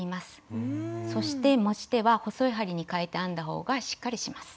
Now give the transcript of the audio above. そして持ち手は細い針にかえて編んだ方がしっかりします。